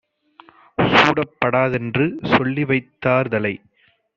சூடப் படாதென்று சொல்லிவைத் தார்தலை